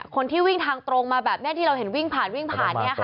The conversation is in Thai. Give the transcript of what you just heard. คนที่วิ่งทางตรงมาแบบนี้ที่เราเห็นวิ่งผ่านวิ่งผ่าน